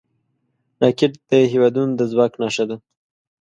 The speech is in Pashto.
راکټ د هیوادونو د ځواک نښه ده